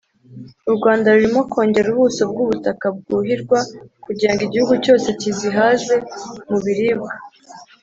Urwanda rurimo kongera ubuso bwubutaka bwuhirwa kugirango igihugu cyose kizihaze mubiribwa